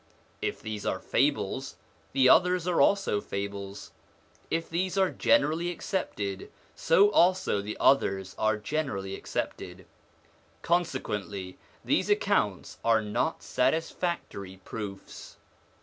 If these are fables, the others also are fables ; if these are generally accepted, so also the others are generally accepted : consequently these accounts are not satisfactory proofs.